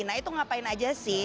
nah itu ngapain aja sih